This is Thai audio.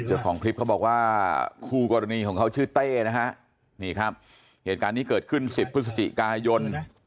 เจ้าของคลิปเขาบอกว่าคู่กรณีของเขาชื่อเต้นะฮะนี่ครับเหตุการณ์นี้เกิดขึ้น๑๐พฤศจิกายน